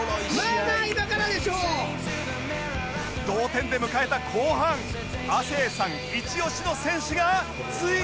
同点で迎えた後半亜生さんイチオシの選手がついに